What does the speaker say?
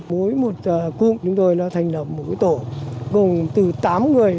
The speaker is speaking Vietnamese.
mỗi một cung chúng tôi đã thành một tổ gồm từ tám người